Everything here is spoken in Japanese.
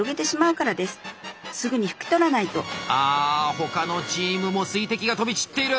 他のチームも水滴が飛び散っている！